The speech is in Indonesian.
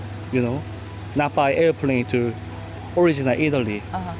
sebaliknya orang bisa menikmati hal hal di italia di wilayah italia